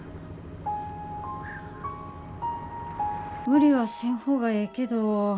無理はせん方がええけど。